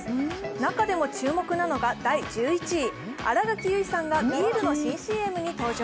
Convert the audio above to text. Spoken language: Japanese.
中でも注目なのが第１１位、新垣結衣さんがビールの新ＣＭに登場。